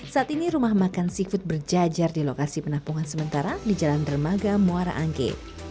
saat ini rumah makan seafood berjajar di lokasi penampungan sementara di jalan dermaga muara angke